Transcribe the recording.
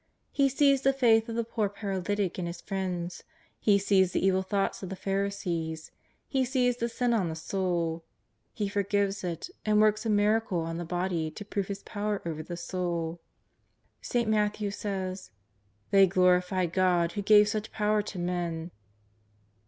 He sees the faith of the poor paralytic and his friends ; Pie sees the evil thoughts of the Phari sees ; He sees the sin on the soul ; He forgives it, and works a miracle on the body to prove His power over the soul. St. Matthew says " they glorified God who gave such power to men.''